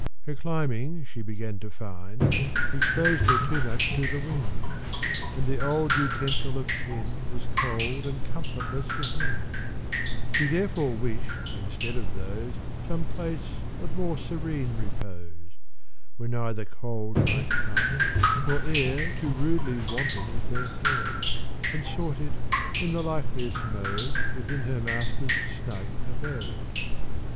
Her climbing, she began to find, Exposed her too much to the wind, And the old utensil of tin Was cold and comfortless within: She therefore wish'd instead of those Some place of more serene repose, Where neither cold might come, nor air Too rudely wanton with her hair, And sought it in the likeliest mode Within her master's snug abode.